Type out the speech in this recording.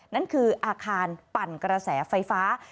นั่นคืออาคารปั่นกระแสไฟฟ้า